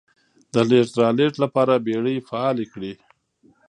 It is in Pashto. د لېږد رالېږد لپاره بېړۍ فعالې کړې.